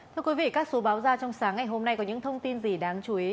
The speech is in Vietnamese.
thưa quý vị các số báo ra trong sáng ngày hôm nay có những thông tin gì đáng chú ý